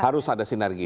harus ada sinergi